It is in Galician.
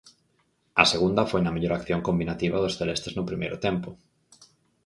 A segunda foi na mellor acción combinativa dos celestes no primeiro tempo.